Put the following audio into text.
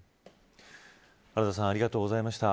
原田さんありがとうございました。